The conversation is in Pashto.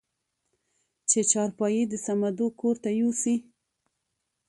چې چارپايي د صمدو کورته يوسې؟